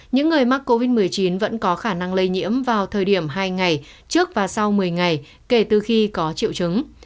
những người mắc covid một mươi chín vẫn có khả năng lây nhiễm vào thời điểm hai ngày trước và sau một mươi ngày kể từ khi có triệu chứng